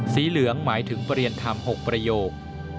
สีเหลืองหมายถึงประเรียนธรรม๖ประโยค